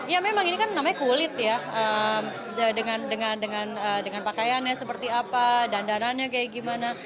ya memang ini kan namanya kulit ya dengan pakaiannya seperti apa dandanannya kayak gimana